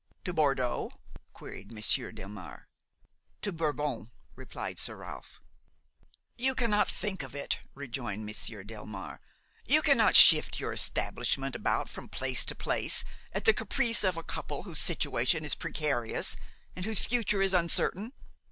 "To Bordeaux?" queried Monsieur Delmare. "To Bourbon," replied Sir Ralph. "You cannot think of it," rejoined Monsieur Delmare; "you cannot shift your establishment about from place to place at the caprice of a couple whose situation is precarious and whose future is uncertain.